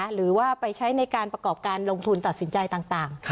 หรือว่าไปใช้ในการประกอบการลงทุนตัดสินใจต่าง